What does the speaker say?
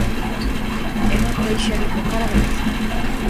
E non deixa de invocar a beleza.